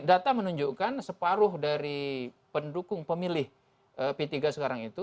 data menunjukkan separuh dari pendukung pemilih p tiga sekarang itu